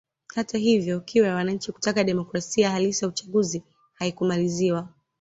Hata hivyo kiu ya wananchi kutaka demokrasia halisi ya uchaguzi haikumalizwa